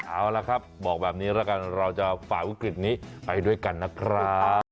เอาล่ะครับบอกแบบนี้แล้วกันเราจะฝ่าวิกฤตนี้ไปด้วยกันนะครับ